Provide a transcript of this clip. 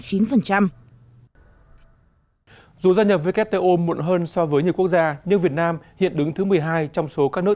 dù gia nhập wto muộn hơn so với nhiều quốc gia nhưng việt nam hiện đứng thứ một mươi hai trong số các nước